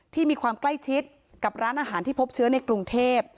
มีความใกล้ชิดกับร้านอาหารที่พบเชื้อในกรุงเทพ